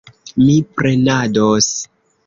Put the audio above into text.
Mi prenados.